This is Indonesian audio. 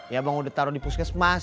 ya abang udah taro di puskesmas